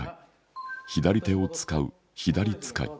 左手を遣う左遣い。